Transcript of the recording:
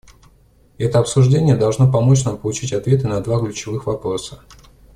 Это обсуждение должно помочь нам получить ответы на два ключевых вопроса.